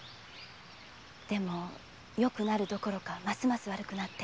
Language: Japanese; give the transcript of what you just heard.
でも良くなるどころかますます悪くなって。